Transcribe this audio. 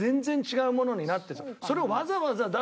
それをわざわざ出す。